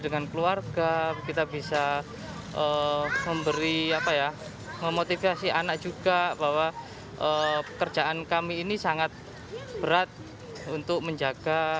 dengan keluarga kita bisa memberi apa ya memotivasi anak juga bahwa pekerjaan kami ini sangat berat untuk menjaga